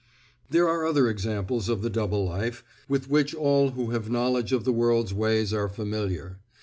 There are other examples of the double life, with which all who have knowledge of the world's ways are familiar.